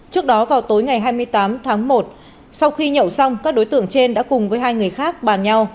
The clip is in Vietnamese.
trước đó vào tối ngày hai mươi tám tháng một sau khi nhậu xong các đối tượng trên đã cùng với hai người khác bàn nhau